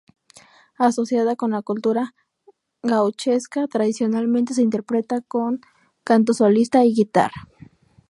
Asociada con la cultura gauchesca, tradicionalmente se interpreta con canto solista y guitarra.